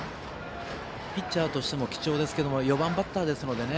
ピッチャーとしても貴重ですけども４番バッターですのでね。